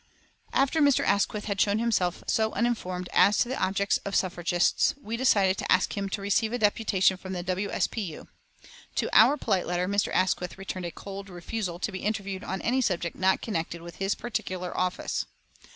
After Mr. Asquith had shown himself so uninformed as to the objects of the suffragists, we decided to ask him to receive a deputation from the W. S. P. U. To our polite letter Mr. Asquith returned a cold refusal to be interviewed on any subject not connected with his particular office.